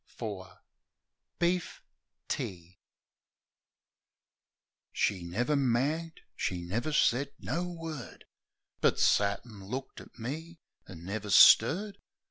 BEEF TEA Beef Tea HE never magged; she never said no word; But sat an' looked at me an' never stirred.